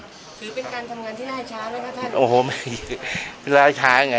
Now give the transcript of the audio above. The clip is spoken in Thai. ถือเป็นการทำงานที่รายช้านะครับท่าน